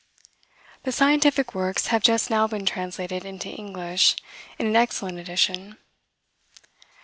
The scientific works have just now been translated into English, in an excellent edition.